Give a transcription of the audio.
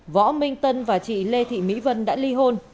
võ minh tân và chị lê thị mỹ vân đã ly hôn